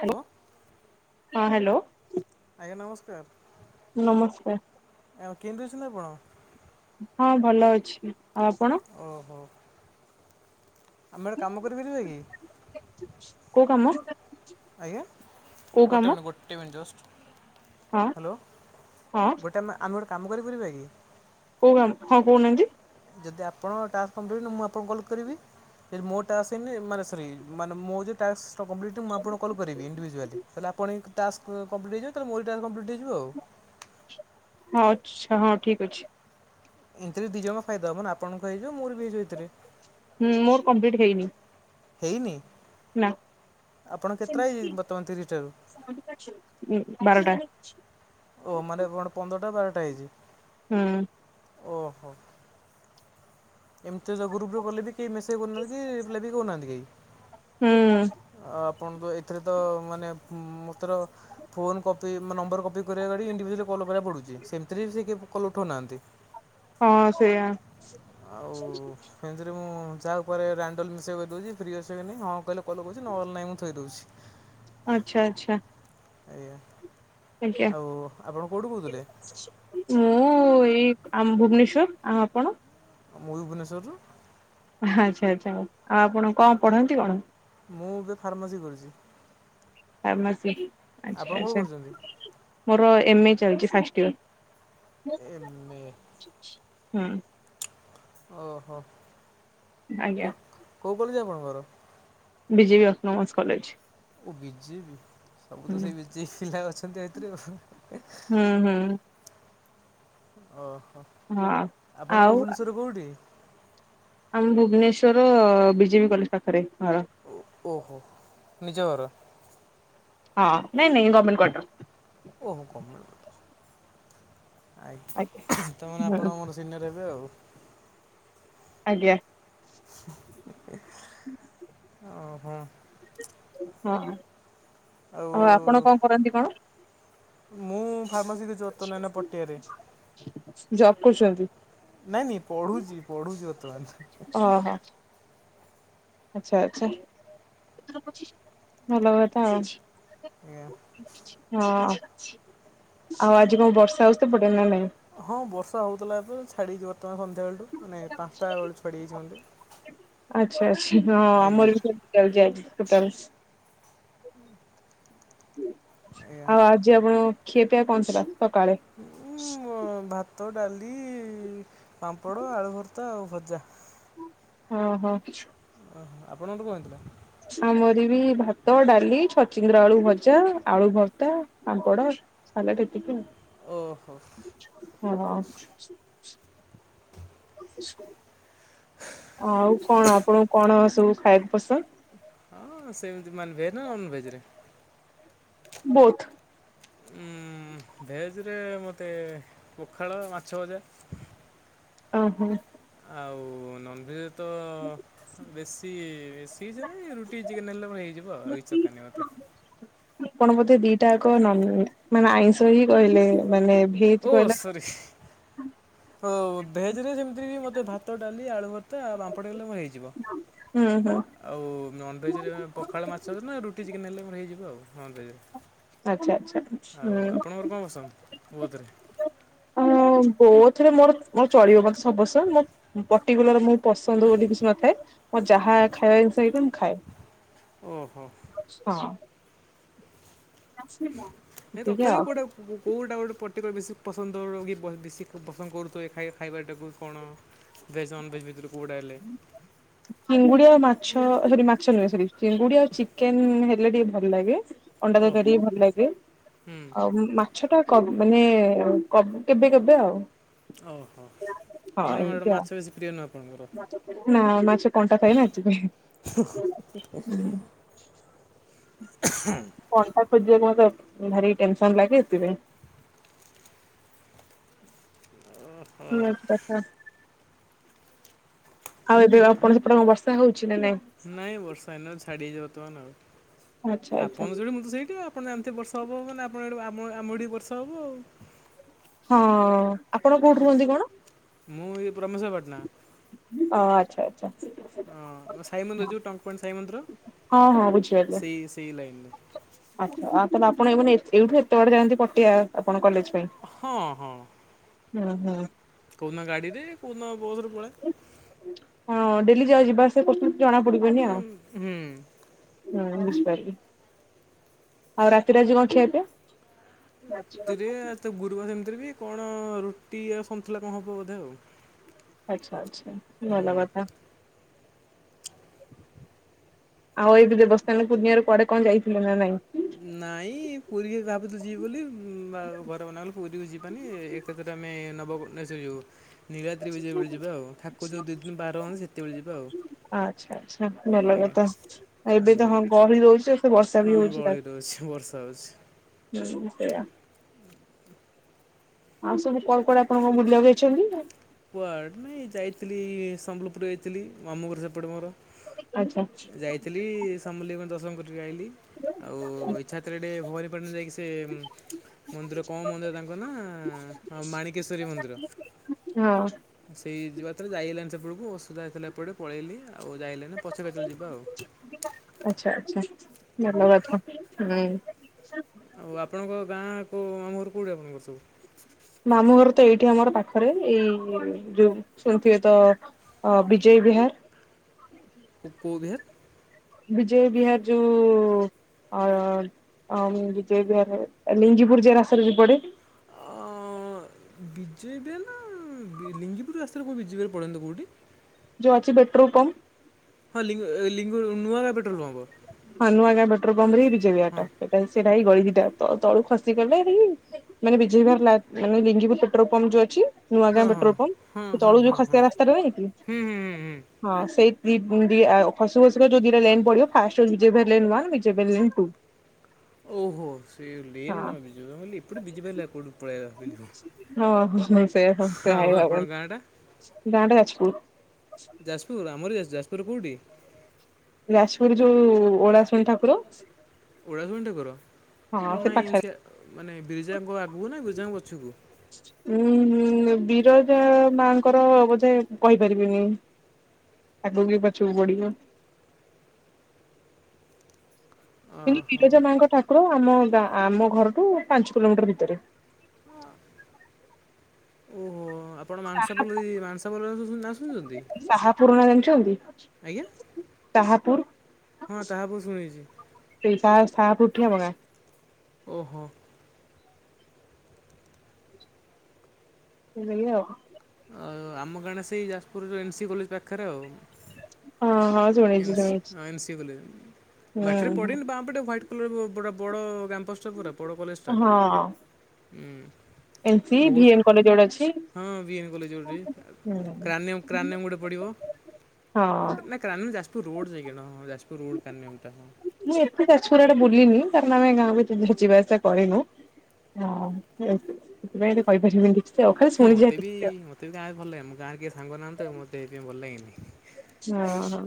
Hello ତ। ହଁ hello. ଆଜ୍ଞା ନମସ୍କାର। ନମସ୍କାର। କେନ୍ତି ଅଛନ୍ତି ଆପଣ? ହଁ ଭଲ ଅଛି ଆଉ ଆପଣ? ଓହୋ ଆମେ ଗଟେ କାମ କରିପାରିବା କି? କୋଉ କାମ? ଆଜ୍ଞା କୋଉ କାମ ଗୋଟେ ମିନିଟ୍ ଗୋଟେ ମିନିଟ୍ ଜଷ୍ଟ୍। ହଁ ହାଲୋ ହଁ ଗୋଟେ ଆମେ ଆମେ ଗୋଟେ କାମ କରିପାରିବା କି? କଉ କାମ ହଁ କହୁନାହାନ୍ତି। ଯଦି ଆପଣ ଟାସ୍କ କମ୍ପଲିଟ ହେଇନି, ମୁଁ ଆପଣଙ୍କୁ କଲ୍ କରିବି। ଏ ମୋ ଟାକ୍ସ ହେଇନି, ମାନେ ସରି ମାନେ ମୋର ଯୋଉ ଟାକ୍ସ ତ କମ୍ପ୍ଲିଲିଟ ମୁଁ ଆପଣଙ୍କୁ କଲ କରିବି। ଇଣ୍ଡିଭିଶୁଆଲୀ ଆପଣଙ୍କ ଟାସ୍କ କମ୍ପିଲିଟ ହେଇଯିବ, ମୋର ବି ଟାସ୍କ କମ୍ପିଲିଟ ହେଇଯିବ। [inaudible] ହଉ ଆଚ୍ଛା, ହଁ ଠିକ ଅଛି। ଏମତିରେ ଦି ଜଣକ ଫାଇଦା ହବନା, ଆପଣଙ୍କ ହେଇଯିବ ମୋର ବି ହେଇଯିବ ଏଥିରେ। ହୁଁ ମୋର କମ୍ପ୍ଲିଲିଟ୍ ହେଇନି। ହେଇନି? ନାଁ ଆପଣ କେତେଟା ହେଇଛି ବର୍ତ୍ତମାନ ତିରିଶଟାରୁ? ବାରଟା। [inaudible] ଓ ମାନେ କଣ ପନ୍ଦରଟା ବାରଟା ହେଇଚି। ହୁଁ। ଓହୋ ଏମିତିରେ ଗ୍ରୁପ୍ ରେ କଲେ ବି କେହି ମେସେଜ କରୁନାହାନ୍ତି କି ରିପ୍ଲାଏ ବି କରୁନାହାନ୍ତି କେହି। ହୁଁ। ଆଉ ଆପଣ ଏଥିରେ ତ ମାନେ ମୋତର ଫୋନ୍ କପି ମାନେ ନମ୍ବରକପି କରିବା ଗାଡ଼ି ଇଣ୍ଡିଭିଜୁଲ୍ ପଡୁଛି, ସେମିତିରେ ବି ସେ କଲ ଉଠଉନାହାନ୍ତି। ହଁ ସେଇଆ ଆଉ ଫେଞ୍ଚେରେ ମୁଁ ଯାହା ଉପରେ ରାଣ୍ଡଲ୍ ମିଶେଇ କହିଦଉଛି ଫ୍ରି ଅଛ କି ନାହିଁ ହଁ କହିଲେ କଲ କରୁଛି ନାହେଲେ ନାଇଁ ମୁଁ ଥୋଇଦଉଛି। ଆଚ୍ଛା ଆଚ୍ଛା। ଆଜ୍ଞା। ଆଜ୍ଞା ଆଉ ଆପଣ କେଉଁଠୁ କହୁଥିଲେ? ମୁଁ ଏଇ ଆମ ଭୁବନେଶ୍ଵର। ଆଉ ଆପଣ? ମୁଁ ବି ଭୁବନେଶ୍ୱରରୁ। ଆଚ୍ଛା ଆଚ୍ଛା ଆଉ ଆପଣ କଣ ପଢନ୍ତି କଣ? ମୁଁ ଏବେ ଫାର୍ମାସି କରିଚି। ଫାର୍ମାସି ଆଚ୍ଛା ଆଚ୍ଛା କରୁଛନ୍ତି? ମୋର ଏମେ ଚାଲିଛି ଫାଷ୍ଟ ଇୟର। ଏମେ ହୁଁ। ଓ ହୋ। ଆଜ୍ଞା। କୋଉ କଲେଜ ଆପଣଙ୍କର? B J P autonomous college. B J P ସବୁ ତ ହୁଁ ସେଇ ବିଜେ ପି ପିଲା ଅଛନ୍ତି ଏଥିରେ। ହୁଁ ହୁଁ ଓହୋ ହଁ। ଆଉ ଆପଣଙ୍କ ଆମ ଭୁବନେଶ୍ଵର ବିଜେ ପି କଲେଜ ପାଖରେ ଘର। ଓ ଓହୋ ନିଜର ଘର। ହଁ ନାଇଁ ନାଇଁ ଗମେଣ୍ଟ କ୍ୱାର୍ଟର। ଓହୋ ଗମେଣ୍ଟ କ୍ୱାର୍ଟର। କ୍ୱାର୍ଟର। ଆଜ୍ଞା ତା ମାନେ ଆଜ୍ଞା ହଁ ଆପଣ ମୋର ସିନିୟର ହେବେ ଆଉ। ଆଜ୍ଞା। ଓ ହୁଁ। ହଁ ଆଉ ଆପଣ କଣ କରନ୍ତି କଣ? ମୁଁ ଫାର୍ମାସି ସେ ଜତ ନାଇ ନା ପଟିଆରେ। ଜବ୍ କରୁଛନ୍ତି। ନାଇଁ ନାଇଁ ପଢୁଛି ପଢୁଛି ବର୍ତ୍ତମାନ ହେ। ଓହୋ ଆଚ୍ଛା ଆଚ୍ଛା ଭଲ କଥା ଆଉ। ଆଜ୍ଞା। ହଁ। ଆଉ ଆଜି କଣ ବର୍ଷା ହଉଚି ସେପଟେ ନା ନାଇଁ? ହଁ ବର୍ଷା ହଉଥିଲା ଏବେ ଛାଡିଚି ବ ତମାନ ସନ୍ଧ୍ୟାବେଳୁଠୁ ମାନେ ପାଞ୍ଚଟା ବେଳୁ ଛାଡ଼ିଯାଇଛି ଘଣ୍ଟେ। ଆଚ୍ଛା ଆଚ୍ଛା ହଁ ଆମର ବି ସେମିତି ଚାଲିଚି ଆଜି। ଉପବାସ ଆଜ୍ଞା ଆଉ ଆଜି ଆପଣ। ଖିଆ ପିଆ କଣ ଥିଲା ସକାଳେ? ଉଁ ଭାତ, ଡାଲି, ପାମ୍ପଡ଼, ଆଳୁ ଭର୍ତା ଆଉ ଭଜା। ଓ ହୋ। ଓହୋ ଆପଣଙ୍କ ର କଣ ହେଇଥିଲା? ଆମର ବି ଭାତ, ଡାଲି, ଛଚିନ୍ଦ୍ରା, ଆଳୁ ଭଜା, ଆଳୁ ଭର୍ତା, ପାମ୍ପଡ। ସାଲାଡ଼ ହେତିକି ଓହୋ ଆଉ ଓହୋ। ଆଉ କଣ ଆପଣଙ୍କୁ କଣ ସବୁ ଖାଇବାକୁ ପସନ୍ଦ? ହଁ ସେମିତି ମାନେ ଭେଜ ନା ନନଭେଜ ରେ? ବହୁତ। ଉଁ। ଉଁ ଭେଜରେ ମୋତେ ପଖାଳ ମାଛ ଭଜା। ଓହୋ। ଆଉ ନନଭେଜ ତ ବେଶୀ ବେଶୀ କିଛି ନାହିଁ ରୁଟି ଚିକେନ ହେଲେ ମୋର ହେଇଯିବ ଆଉ କିଛି ଦରକାର ନାହିଁ ମତେ। ଆପଣ ବୋଧେ ଦିଟା ଯାକ ନନ ମାନେ ଆଇଁଷ ହିଁ କହିଲେ। ମାନେ ଭେଜ କହିଲେ ନା। ହଁ ଭେଜରେ ଯେମିତି କି ମତେ ଭାତ, ଡାଲି, ଆଳୁ ଭର୍ତା ଆଉ ପାମ୍ପଡ଼ ହେଲେ ମୋର ହେଇଯିବ। ହୁଁ ହୁଁ ଆଉ ନନଭେଜରେ ପଖାଳ, ମାଛ ନା ରୁଟି, ଚିକେନ ହେଲେ ମୋର ହେଇଯିବ ଆଉ ନନଭେଜ୍ ରେ। ଆଚ୍ଛା ଆଚ୍ଛ ଆଉ ଆପଣଙ୍କର କଣ ପସନ୍ଦ ବୋଥରେ? ହଁ ବୋଥରେ ମୋର ମୋ ଚଳିବ ମତେ ସବୁ ପସନ୍ଦ ମୋ ପର୍ଟିକୁଲାର ମୋ ପସନ୍ଦ ବୋଲି କିଛି ନ ନଥାଏ ମୋ ଯାହା ଖାଇବା ଜିନିଷ ହେଇଥାଏ ମୁଁ ଖାଏ। ଓହୋ। ଆସିନ। ନାଇ ତଥାପି କୋଉଟା କ-କ-କୋଉଟା ଗୋଟେ ପ କେତେବେଳେ ବେଶୀ ପସନ୍ଦ ର କି ବ ବେଶୀ ପ-ପସନ୍ଦ କରୁଥିବେ ଏ ଖାଇ ଖାଇବାଟାକୁ କଣ? ଭେଜ ନନ୍ ଭେଜ ଭିତରୁ। କେଉଁଟା ହେଲେ ଚିଙ୍ଗୁଡି ଆଉ ମା ଛ ଅ ସରି ମାଛ ନୁହେଁ ସରି ଚିଙ୍ଗୁଡ଼ି ଆଉ ଚିକେନ ହେଲେ ଟିକେ ଭଲ ଲାଗେ। ଅଣ୍ଡା ଓହୋ ତରକାରୀ ଭଲ ଲାଗେ ହୁଁ ଆଉ ଉଁ ମାଛ ଟା କମ। ମାନେ କବ କେବେ କେବେ ଆଉ। ଓହୋ ହଁ ତା ମାନେ ଏଟା ଏମିତି ଆଉ ମାଛ ବେଶୀ ପ୍ରିୟ ନା ଆପଣଙ୍କର? ନା ମାଛକଣ୍ଟା ଥାଏନା ହେଥିପାଇଁ। ପଠା। ଖୋଜିବାକୁ ମତେ ଭାରି ଟେନସନ ଲାଗି ସେଥିପାଇଁ। ନ ହଁ କଥା। ଆଉ ଏବେ ଆପଣ ସେପଟେ କଁ ବର୍ଷା ହଉଛି? ନା ନାଇଁ? ନାଇଁ ବର୍ଷା ହେଇନି ଛାଡି ଯାଇଛି ବର୍ତ୍ତମାନ ଆଚ୍ଛା ଆଉ ଆଚ୍ଛା ଆପଣ ସେଇଠି ମୁଁ ତ ସେଇଠି। ଆପଣ ଏମିତି ବର୍ଷ ହବ ମାନେ ଆପଣ ଏଠୁ ଆ ଆମଠି ବର୍ଷା ହବ ଆଉ। ହଁ। ଆପଣ କୋଉଠି ରୁହନ୍ତି କଣ? ମୁଁ ପ୍ରମସ ପାଟନା। ଆଚ୍ଛା ଆଚ୍ଛା। ହଁ ସାଇ ମନ୍ଦିର ଯୋଉ ଟଙ୍କପଣ୍ଡ ସାଇ ମନ୍ଦିର। ହଁ ହଁ ବୁଝି ସେଇ ସେଇ ଲାଇନରେ ଆଛା। ନାଇ ମାନେ ଏଇଠୁ ଏତେ ବାଟ ଯାଆନ୍ତି ପଟିଆ ଆପଣ କଲେଜ ପାଇଁ। ହଁ ହଁ। ହୁଁ ହୁଁ। କଉଦିନ ଗାଡ଼ିରେ କଉଦିନ ବସରେ ପଲାଏ। ହଁ ଡେଲି ଯ ଯିବା ଆସିଵା କରୁଛନ୍ତି ଜଣା ପଡିବନି ଆଉ। ହୁଁ ହଁ ବୁଝିପାରିବି ଆଉ ରାତିରେ ରାଜି କଣ ଖିଆପିଆ? ରାତିରେ ତ ଗୁରୁବାର ସେମିତିରେ ବି। କଣ ରୁଟି ଆଉ ସନ୍ନ୍ତଲା କଣ ହବ ବୋଧେ ଆଉ। ଆଚ୍ଛା ଆଚ୍ଛା ହୁଁ ଭଲ କଥା। ଆଉ ଏଇଠି ଦେବସ୍ନାନ ପୂର୍ଣ୍ଣିମାରେ କୁଆଡେ କଣ ଯାଇଥିଲେ ନା ନାଇଁ। ନାଇଁ ପୁରୀରେ ଭାବୁଥିଲି ଯିବି ବୋଲି ଘର ମନା କଲେ। ପୁରୀକୁ ଯିବାନି ଏକତରେ ଆମେ ନବ ଶ୍ୱର ଯୁ ନିଳାଦ୍ରୀ ବିଜେ ବେଳେ ଯିବା ଆଉ ଠାକୁର ଯୋଉ ଦୁଇ ଦିନ ବାର ହୁଅନ୍ତି ସେତେବେଳେ ଯିବା ଆଉ ଆଜ୍ଞା। ଥା ଏବେ ହୁଁ ତ ହଁ ଗହଳି ରହୁଛି। ସେ ବର୍ଷା ବି ହଁ ହଉଛି ତା ଗଳି ରହୁଛି ବର୍ଷା ହଉଛି। ହୁଁ ସେଇଆ। ଆଉ ସବୁ କୁଆଡେ କୁଆଡେ ଆପଣଙ୍କ ବୁଲିଆକୁ ଯାଇଛନ୍ତି? କୁଆଡେ ନାଇଁ ଯାଇଥିଲି ସମ୍ବଲପୁର ଯାଇଥିଲି ମାମୁଘର ସେପଟେ ମୋର। ଆଚ୍ଛା। ଯାଇଥିଲି ସାମଲେଇଙ୍କୁ ଦର୍ଶନ କରିଥିଲି। ଆଉ ଇ ଛାତ୍ର ଭବାନୀପାଟଣରେ ଯାଇକି ସେ ମନ୍ଦିର କଣ ମନ୍ଦିର ତାଙ୍କ ନା ମାଣିକେଶ୍ୱରୀ ମନ୍ଦିର। ହଁ। ସେଇ ଯିବା ତରେ ଯାଇଗଲଣିି ସେପଟକୁ ଅସୁିଧା ହେଇଥିଲା ଏପଟେ ପଳେଇଲି ଆଉ। ଆଉ ଯାଇଲେ ନାି ପଛେ କେତେବେଳେ ଯିବା ଆଉ। ଆଚ୍ଛା ଆଚ୍ଛା ଆଜ୍ଞା ଭଲ କଥା ହୁଁ। ଆଉ ଆପଣଙ୍କ ଗାଁ କୋ ମାମୁଁ ଘର କୋଉଠି ଆପଣଙ୍କର ସବୁ? ମାମୁଁ ଘର ତ ଏଇଠି ଆମର ପାଖରେ ଏଇ ଯୋଉ ଶୁଣିୁଥିବେ ତ ଅ ବିଜୟ ବିହାର। କୋଉ ବିହାର? ବିଜୟ ବିହାର ଯୋଉ ଆ ବିଜୟ ବିହାର ଲିଙ୍ଗପୁର ଯେ ରାସ୍ତାରେ ବି ପଡେ। ଅ ବିଜୟ ବିହାର ନା ଲିଙ୍ଗିପୁର ରାସ୍ତାରେ କୋଉ ବିଜେବୋରେ ପଡେନିତ କୋଉଠି। ଯୋ ଅଛି ବେଟ୍ର କ ହଁ ଲିଙ୍ଗ ଲିଙ୍ଗ ନୁଆଗାଁ ପେଟ୍ରୋଲ ପମ୍ପ। ହଁ, ନୂଆଗାଁ ପେଟ୍ରୋଲ ପମ୍ପରେ ହିଁ ବିଜୟ ବିହାର ହଁ ଟା ସେଟା ସେଇଟାଇ ଗଳି ଦିଟା ତଳୁ ଖସିଗଲେ ମାନେ ବିଜୟ ବିହାର ମାନେ ଲିଙ୍ଗି ପେଟ୍ରୋଲ ପମ୍ପ ଯୋଉ ଅଛି। ନୂଆ ଗାଁ ହଁ ପେଟ୍ରୋଲ ହଁ ପମ୍ପ ହଁ ତଳୁ ଯୋଉ ହଁ ହଁ ଖସିଆ ହଁ ରାସ୍ତାରେ ନାଇଁ କି ହୁଁ ହୁଁ ହୁଁ ହୁଁ ହଁ ସେଇ ଦ ଖସୁ ଖସୁର ଯୋଉ ଦିଟା ଲେନ ପଡିବ ଫାଷ୍ଟହଉଚି ବିଜୟ ପେହେଲେ ଲେନ ବିଜୟ ପେହେଲେ ଲେନ ଟୁ। ହ ଓହୋ ସେଇ ହଁ ଲେନ ନା ବିଜୁମୁଁ କହିଲି ଏପଟେ ବିଜୁ ଭାଇ ଲେନ କୁଆଡେ ପଳେଇଆଇଲା ବେଲି ହଁ। ସେ ସେ ଆାଣ୍ଡ କଚପୁର [inaudible] ଗାଁ ଟା ଯାଜପୁର ଯାଜପୁର ଆମରି ଯାଜପୁରର କଉଠି? ଯାଜପୁର ଯୋଉ ଓଳାଶୁଣି ଠାକୁର। ଓଳାଶୁଣି ଠାକୁର ହଁ ନାଇଁ ପାଖରେ ସେ ମାନେ ବିିରିଜାଙ୍କ ଆଗକୁ ନା ବିରିଜାଙ୍କ ପଛକୁ। ଉଁ ହୁଁ ବିରଜା ମାଙ୍କର ବୋଧେ କହିପାରିବିନି। ଆଗ କି ପଛକୁ ପଡିବ। [unintelligible] କିୁ ଓହୋ ବିରଜା ମାଙ୍କ ଠାକୁର ଆମ ଗାଁ ଆମ ଘରଠୁ ପାଞ୍ଚ କିଲୋମିଟର ଭିତରେ। ଓହୋ। ଆପଣ ମାଂସାପଲ ମାଂସାପଲ ଶୁଣିଛନ୍ତି ଆଜ୍ଞା। ଶହାପୁର ହଁ ତାହା ମୁଁ ଶୁଣିଛି ସେଇ ସାହାପୁର ଠିଆମଗାଁ। ଓହୋ। ସେଆଉ [inaudible] ଆଉ ଆମ ଗାଣ୍ଟା ସେଇ ଯାଜପୁର ଏନ୍ ସି କଲେଜ ପାଖରେ ଆଉ ହଁ ହଁ ଶୁଣିଛି ଏନସି ଶୁଣିଛି ଏନସି କଲେଜ ବାଟରେ ହୁଁ ପଡ଼େନି ବାଁପଟେ ହ୍ୱାଇଟ୍ ସ୍କୁଲ ପୁରା ବଡ଼ କ୍ୟାମ୍ପସ୍ଟା ପୁରା ବଡ଼ କଲେଜଟା ଉଁ ଏ ମ ସି ଭି ଏନ କଲେଜଗୋଟେ ଅଛି। ହଁ ବିଏମ କଲେଜ ଗୁଟେ ହୁଁ କ୍ରାନେମ କ୍ରାନଏମ ଗୋଟେ ପଡିବ। ହଁ ନା କ୍ରାନୀ ଯାଜପୁର ରୋଡ ଯାଇକିନା ହଁ ହଁ ଯାଜପୁର ରୋଡ଼ କାରନିଅନ ଟା। ମୁଁ ଏତେ ଯାଜପୁର ଆଡେ ବୁଲିନି କାରଣ ଆମେ ଗାଁ ଭିତରେ ଯିବା ଆସିବା କରିନୁ। ହଁ ସେଥିପାଇଁ କହିପାରିବିନି କିଛି। ହଁ ମତେ ବି ମତେ ଗାଁ ଭଲ ଲାଗେନି ଗାଁରେ କେହି ସାଙ୍ଗ ନାହାଁନ୍ତି ତ ମତେହେଥିପାଇଁ ଭଲ ଲାଗେନି। ହଁ ହ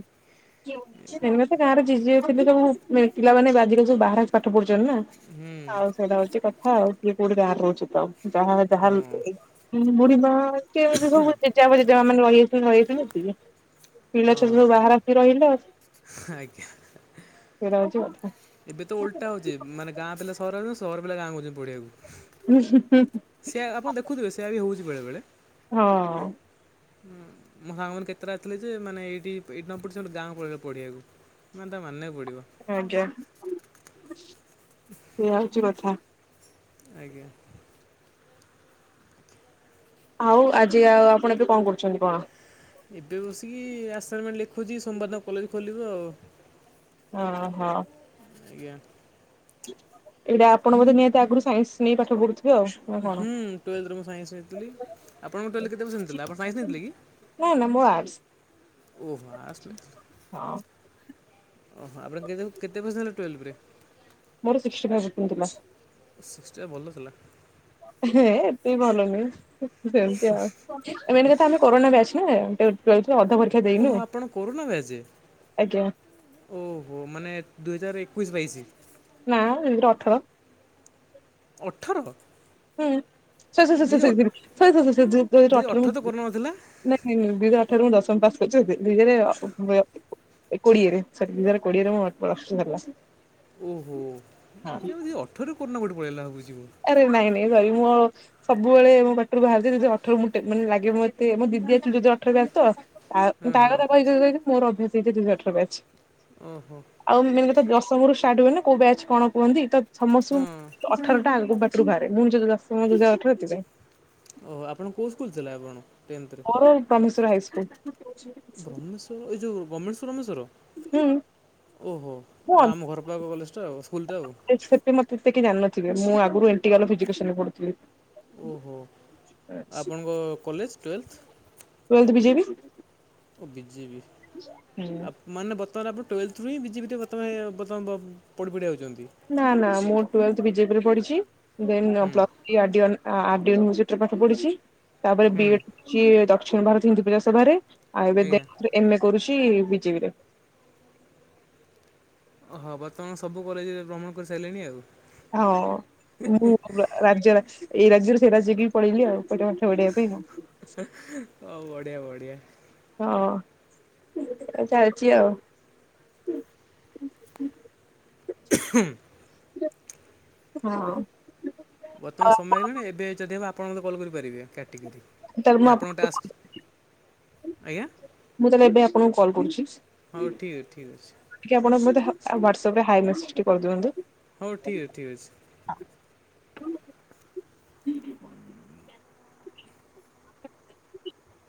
ଏବେତ ଗାଁରେ ଜିଜ ଏବେତ ବହୁତ ପିଲାମାନେ ବାଜିରେ ସବୁ ବାହାରେ ପାଠ ପଢୁଛନ୍ତି ନା ହୁଁ ଆଉ ସେଇଟା ହଉଚି ହଁ ଏଠି କଉଠି ଗାଁରେ ରହୁଛି ତ ଯାହା ହଁ ଯାହା ମୁଡିିବା କେମିତି ସବୁ ଜେଜେପା ମାନେ ରହିଯାଇଛନ୍ତି ରହିଯାଇଛନ୍ତି ପିଲାଛୁଆ ହଁ ସବୁ ବାହାରେ ଅସି ରହିଲେ। ଆଜ୍ଞା ସେଇଟା ହଉଛି କଥା। ଏବେ ତ ଓଲଟା ହଉଛି ମାନେ ଗାଁ ପା ସହର ଯାଉଛନ୍ତି ସହର ପିଲା ଗାଁକୁ ଆଉଚନ୍ତି ପଢିବାକୁ ସେଆ ଆପଣ ଦେଖୁଥିବେ ସେଇଆ ବି ହଉଛି ବେଳେବେଳେ ହଁ! ଅଁ ହୁଁ ମୋ ସାଙ୍ଗ ମାନେ କେତେଟା ଆସି ଥିଲେ ଯେ ମାନେ ଏଇଠି ଏଇଠି ନ ପଢି କି ସେମାନେ ଗାଁକୁ ପଳେଇଲେ ପଢିବାକୁ,। ମାନେ ତାଙ୍କୁ ମାନିବାକୁ ପଡିବ ଆଜ୍ଞା! ସେଇଆା ହଉଛି କଥା, ଆଜ୍ଞା! ଆଉ ଆଜି ଆଉ ଆପଣ ଏବେ କଣ କରୁଛନ୍ତି କଣ? ଏବେ ବସିକି ଆସାଇନମେଣ୍ଟ ଲେଖୁଛି ସୋମ୍ୱାର୍ ଦିନ କଲେଜ ଖୋଲିବ ଆଉ,। ଅ ହୋ! ଆଜ୍ଞା! ଏଇଟା ଆପଣ ବୋଧେ ନିହାତି ଆଗରୁ ସାଇନ୍ସ ନେଇ ପାଠ ପଢୁ ହୁଁ ଟୁଏଲ୍ଥ ରେ ମୁଁ ସାଇନ୍ସ ନେଇଥିଲି। ଆପଣଙ୍କ ତାହେଲେ କେତେ ପରସେଣ୍ଟ ଥିଲା ଆପଣ ସାଇନସ୍ ନେଇଥିଲେ କି? ନା ନା ମୋର ଆର୍ଟସ ଓହୋ ଆ ହଁ ଓହୋ ଆପଣ କେତେ କେତେ ପସେଣ୍ଟ ହେଲେ ଟୁଏଲଭରେ। ମୋର ସିକଷ୍ଟି ପରସେଣ୍ଟ ଥିଲା। ସିକ୍ସ୍ଟିରେ ଭଲ ଥିଲା ହଁ ଏତେ ଭଲ ନୁହେଁ। ସେମତି ଆଉ ମେନ୍ କଥା ଆମେ କରୋନା ବିଆଚ ନା। ରେ ଅଧା ପରୀକ୍ଷା ଦେଇନୁ ଓହୋ, ଆପଣ କରୋନା ବ୍ୟାଚ ଆଜ୍ଞା ଓହୋ ମାନେ ଦୁଇ ହଜାର ଏ ଏକୋଇଶି ବାଇଶି। ନା ଦୁଇହଜାର ଅଠର। ଅଠର? ହୁଁ ସର ସର ଦୁଇ ହଜାର ସର ଦୁଇ ହଜାର ଅଠର ତ କରୋନା ନଥିଲା ନାଇଁ ସି ହଜାର ଅଠର ମୁଁ ଦଶ ପାସ୍ କରି [unintelligible] ଏ କୋଡିଏ ରେ ହଜାର କୋଡିଏ ରେ ମୋର୍ ପ୍ଲଷ୍ଟୁ ସରି ଓହ ହଁ। ଅଠର [unintelligible] ଆରେ ନାଇଁ ନାଇଁ ଭାଇ ମୁଁ ସବୁବେଳେ ମୋ ବାଟରୁ ବାହାରିଚି, ଦୁଇ ଅଠର ମୁଟେ ମାନେ ଲାଗେ ଏତେ ମୋ ଦିଦି [unintelligible] ଯଦି ଅଠର ବି ବାହାର ତ ହଁ ତା ହଁ କଥା କହି ମୋର ଅଭ୍ୟାସ ହେଇଚି ଦୁଇ ହଜାର ଅଠର ବ୍ୟାଚ ଓହୋ ଆଉ [unintelligible] ସମରୁ ଷ୍ଟାର୍ଟ ହୁଏନ କୋଉ ବ୍ୟାଚ୍ କଣ କୁହନ୍ତି ତ ହଁ ସମସ୍ତଙ୍କୁ ଅଠର ପାଟିରୁ ବାହାରେ [unintelligible] ଅଠର ସେଥିପାଇଁ। ଓ ଆପଣ କୋଉ ସ୍କୁଲ ଥିଲା ଆପଣ? ଟେନ୍ଥରେ ମୋର [unintelligible] ହାଇସ୍ ସ୍କୁଲ। ବ୍ରହ୍ମେଶ୍ୱର ଏଇ ଯୋଉ ଗାମେଣ୍ଟ ବ୍ରହ୍ମେଶ୍ୱର। ହୁଁ। ଓହୋ ଆଉ ଆମ ଘରପାଖ କଲେଜଟା ଆଉ। ସ୍କୁଲଟା ଆଉ ଏଠି ସେତେ ମୋତେ କି ଏତେ ଜାଣିନଥିବେ ମୁଁ ଆଗରୁ ଏଣ୍ଟିକାଲ ଫିଜିକେସନ୍ ରେ ପଢ଼ୁଥିଲି। ଓହୋ ଆପଣଙ୍କ କଲେଜ ଟୁଏଲଥେ? ଟ୍ୱେଲଥ ବିଜେପି ବିଜେବିି ହୁଁ। ତାହେଲେ ଆପଣ ଟୁଏଲଥେ ରୁହିଁ ବିଜେପିରେ ବର୍ତ୍ତ ବର୍ତ୍ତ ପ଼ି ପଢ଼ି ପଢି [unintelligible] ନା ନା ମୁଁ ଟୁଏଲଥେ ବିଜେପିରେ ପଢ଼ିଚି ଦେନ୍ ହୁଁ ପ୍ଲ ଆ ଆର୍ ଡି ୟୁନିଭର୍ସ ପଢିଚି ତାପରେ ହୁଁ ବିଡ ଦକ୍ଷିଣ ଭାରତ ହିନ୍ଦୀ [unintelligible] ଆଜ୍ଞା ଆୟୁର୍ବେଦ ଏମ ଏ କରୁଚି ବିଜେପିରେ। ହଁ ବର୍ତ୍ତମାନ ସବୁ କଲେଜରେ ଭ୍ରମଣ କରିସାରିଲେଣି ଆଉ। ହଁ ମୁଁ ରାଜ୍ୟ ଏଇ ରାଜ୍ୟରୁ ସେ ରାଜ୍ୟ କି ପଳେଇଲି ସେଠି ପାଠ ପଢିବା ପାଇଁ ଆଉ। ହଉ ବଢିଆ ବଢିଆ। ହଁ ଚାଲିଚି ଆଉ। ହଁ। ହଁ। ଆଉ ବର୍ତ୍ତମାନ ସମୟ ଆପଣ ହେଇଗଲାଣି ଏବେ ଯଦି ହବ ଆପଣମତେ କଲ କରିପାରିବେ। ଟିକେ ତାହେଲେ ଯେ ମୁଁ ଆପଣଙ୍କ ଆପଣଙ୍କୁ ଟାସ୍କ ଆଜ୍ଞା ମୁଁ ତାହେଲେ ଏବେ ଆପଣଙ୍କୁ କଲ୍ କରୁଚି। ହଉ ଠିକ୍ ଠିକ୍ ଅଛି ଟିକେ ଆପଣ ମତେ ୱାଟସପ୍ ରେ ହାଏ ମେସେଜ୍ ଟେ କରିଦିଅନ୍ତୁ। ହଉ ଠିକ୍ ଅଛି ଠିକ୍ ଅଛି। ହୁଁ।